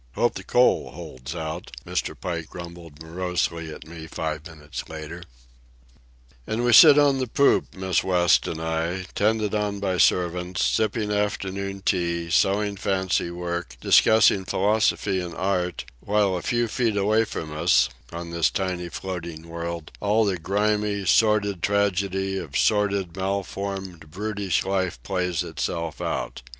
"Hope the coal holds out," Mr. Pike grumbled morosely at me five minutes later. And we sit on the poop, Miss West and I, tended on by servants, sipping afternoon tea, sewing fancy work, discussing philosophy and art, while a few feet away from us, on this tiny floating world, all the grimy, sordid tragedy of sordid, malformed, brutish life plays itself out.